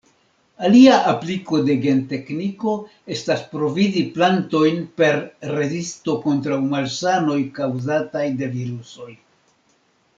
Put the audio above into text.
Alia apliko de gentekniko estas provizi plantojn per rezisto kontraŭ malsanoj kaŭzataj de virusoj.